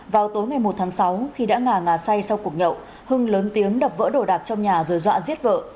vào tối ngày một tháng sáu khi đã ngà ngà say sau cuộc nhậu hưng lớn tiếng đập vỡ đồ đạc trong nhà rồi dọa giết vợ